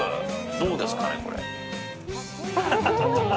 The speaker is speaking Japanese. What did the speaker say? どうですかね、これ。